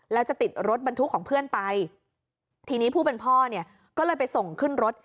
แล้วจะติดรถบรรทุกของเพื่อนไปทีนี้ผู้เป็นพ่อเนี่ยก็เลยไปส่งขึ้นรถ